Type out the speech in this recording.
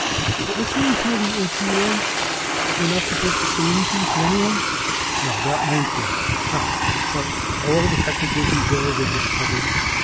"But what shall I tell the AP man? That we're not supposed to say anything to anyone?" "No! That won't do, not now. But are all the technical details of this public?"